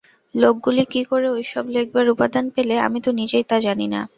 লোকগুলি কি করে ঐসব লেখবার উপাদান পেলে, আমি তো নিজেই তা জানি না।